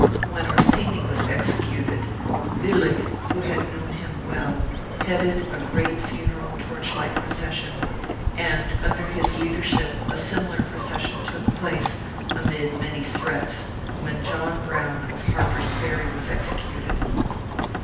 When Orsini was executed, Willich, who had known him well, headed a great funeral torchlight procession ; and under his leadership a similar procession took place, amid many threats, when John Brown of Harper's Ferry was executed.